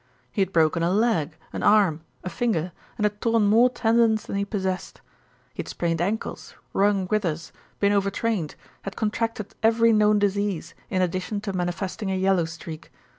He had broken a leg, an arm, a finger, and had torn more tendons than he possessed. He had sprained ankles, wrung withers, been overtrained, had contracted every known disease in addition to manifesting a yellow streak.